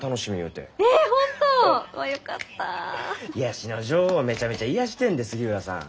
癒やしの女王めちゃめちゃ癒やしてんで杉浦さん。